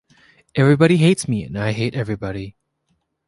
Everybody hates me, and I hate everybody!